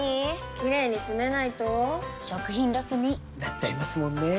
キレイにつめないと食品ロスに．．．なっちゃいますもんねー！